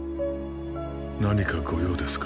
何か御用ですか？